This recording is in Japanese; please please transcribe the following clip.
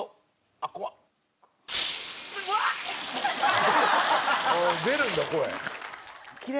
「ああ出るんだ声」